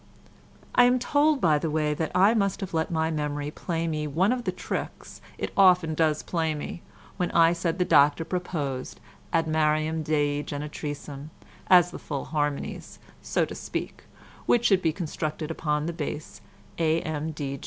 I am told, by the way, that I must have let my memory play me one of the tricks it often does play me, when I said the Doctor proposed Ad Mariam Dei Genetricem as the full harmonies, so to speak, which should be constructed upon the bass A.M.